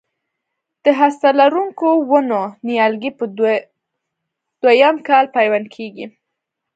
د هسته لرونکو ونو نیالګي په دوه یم کال پیوند کېږي.